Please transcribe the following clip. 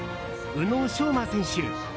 宇野昌磨選手